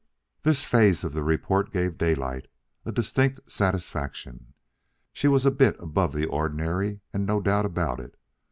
This phase of the report gave Daylight a distinct satisfaction. She was a bit above the ordinary, and no doubt about it.